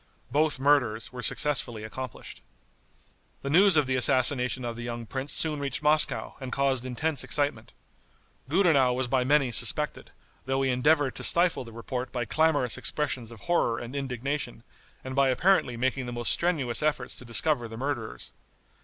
Both murders were successfully accomplished. The news of the assassination of the young prince soon reached Moscow, and caused intense excitement. Gudenow was by many suspected, though he endeavored to stifle the report by clamorous expressions of horror and indignation, and by apparently making the most strenuous efforts to discover the murderers.